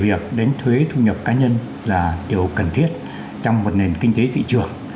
việc đến thuế thu nhập cá nhân là điều cần thiết trong nền kinh tế thị trường